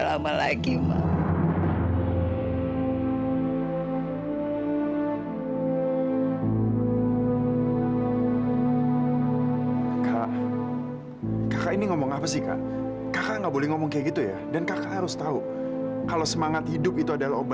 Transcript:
sampai jumpa di video selanjutnya